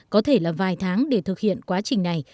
có thể là vài tháng để thực hiện quá trình này